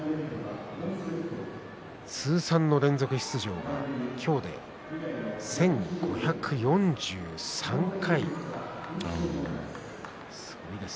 通算の連続出場が、今日で１５４３回です。